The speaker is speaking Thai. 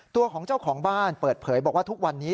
ตัวของเจ้าของบ้านเปิดเผยบอกว่าทุกวันนี้